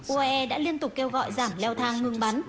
uae đã liên tục kêu gọi giảm leo thang ngừng bắn